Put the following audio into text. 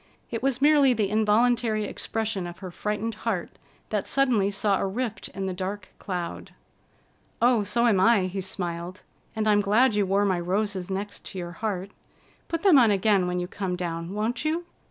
It was merely the involuntary expression of her frightened heart that suddenly saw a rift in the dark cloud. "Oh, so am I," he smiled. "And I'm glad you wore my roses next your heart. Put them on again when you come down, won't you?"